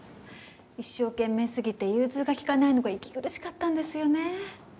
一生懸命すぎて融通が利かないのが息苦しかったんですよね。